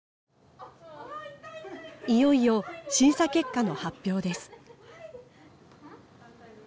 いよいよ審査結果の発表です。